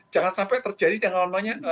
jangan sampai terjadi dengan namanya